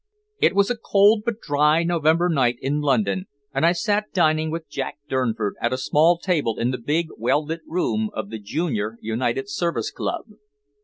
It was a cold but dry November night in London, and I sat dining with Jack Durnford at a small table in the big, well lit room of the Junior United Service Club.